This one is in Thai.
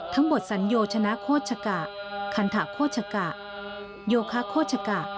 ทั้งบทสันโยชนะโฆษกะคัณฑะโฆษกะโยคะโฆษกะ